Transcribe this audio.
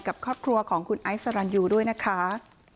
กับครอบครัวของคุณไอซ์สรรยูด้วยนะคะ